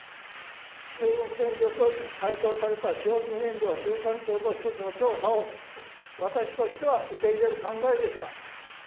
中国電力より回答された使用済み燃料中間貯蔵施設の調査を、私としては受け入れる考えですが。